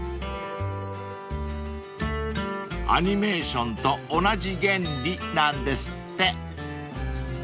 ［アニメーションと同じ原理なんですって］